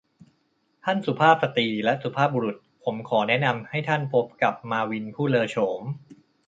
ท่านสุภาพสตรีและสุภาพบุรุษ ผมขอแนะนำให้ท่านพบกับมาร์วินผู้เลอโฉม